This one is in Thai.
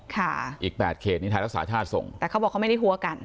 อีกแปดเขตนี้ไทยรักษาชาติส่งแต่เขาบอกเขาไม่ได้หัวกัน